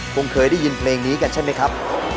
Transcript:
คงเคยได้ยินเพลงนี้กันใช่ไหมครับ